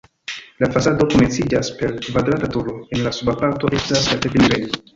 La fasado komenciĝas per kvadrata turo, en la suba parto estas la ĉefenirejo.